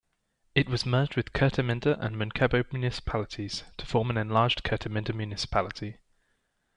It was merged with Kerteminde and Munkebo municipalities to form an enlarged Kerteminde municipality.